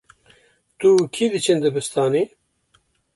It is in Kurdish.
Tu û kî diçin dibistanê?